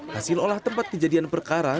hasil olah tempat kejadian perkara